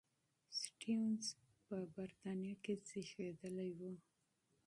سټيونز په بریتانیا کې زېږېدلی و.